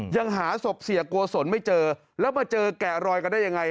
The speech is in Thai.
ยังหาศพเสียโกศลไม่เจอแล้วมาเจอแกะรอยกันได้ยังไง